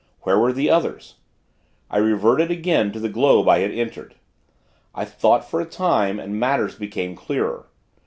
Where were the others? I reverted again to the globe I had entered. I thought, for a time, and matters became clearer.